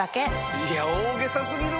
いや大げさ過ぎるわ！